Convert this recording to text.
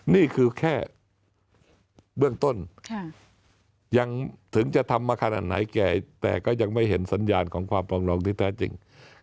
นี่คือแค่เบื้องต้นยังถึงจะทำมาขนาดไหนแก่แต่ก็ยังไม่เห็นสัญญาณของความปรองดองที่แท้จริง